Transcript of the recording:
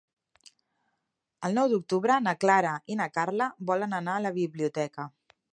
El nou d'octubre na Clara i na Carla volen anar a la biblioteca.